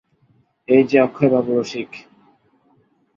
এই-যে অক্ষয়বাবু– রসিক।